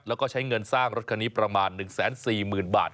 แล้วก็ใช้เงินสร้างรถคันนี้ประมาณ๑๔๐๐๐บาท